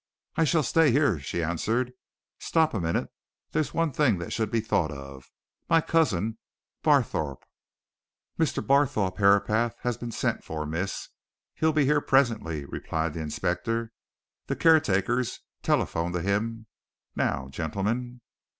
"I shall stay here," she answered. "Stop a minute there's one thing that should be thought of. My cousin Barthorpe " "Mr. Barthorpe Herapath has been sent for, miss he'll be here presently," replied the inspector. "The caretaker's telephoned to him. Now gentlemen."